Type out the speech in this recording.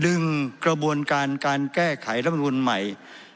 กระบวนการการแก้ไขรัฐมนุนใหม่